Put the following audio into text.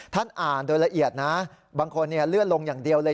ท่านอ่านโดยละเอียดนะบางคนเลื่อนลงอย่างเดียวเลย